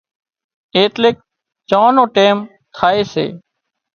ايٽليڪ چانه نو ٽيم ٿائي سي